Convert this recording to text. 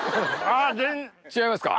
違いますか？